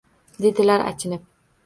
Dedilar achinib